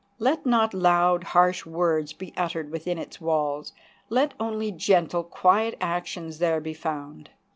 Let not loud, harsh words be uttered within its walls. Let only gentle, quiet actions there be found.